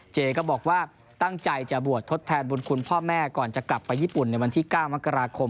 เจก็บอกว่าตั้งใจจะบวชทดแทนบุญคุณพ่อแม่ก่อนจะกลับไปญี่ปุ่นในวันที่๙มกราคม